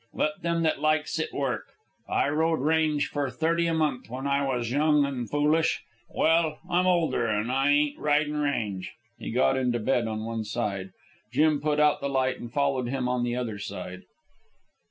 Let them that likes it, work. I rode range for thirty a month when I was young an' foolish. Well, I'm older, an' I ain't ridin' range." He got into bed on one side. Jim put out the light and followed him in on the other side.